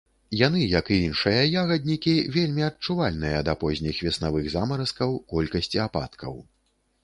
Яны, як і іншыя ягаднікі, вельмі адчувальныя да позніх веснавых замаразкаў, колькасці ападкаў.